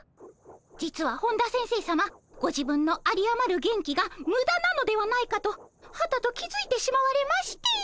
実は本田先生さまご自分のありあまる元気がムダなのではないかとはたと気付いてしまわれまして。